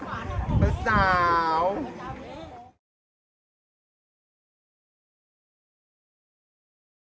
พระราชมาสุดหรือเปล่าอ๋อบ้าอีกครั้งพระพิสูจน์สุขตินะคะสัตว